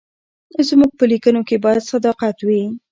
زموږ په لیکنو کې باید صداقت وي.